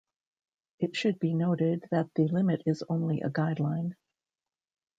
It should be noted that the limit is only a guideline.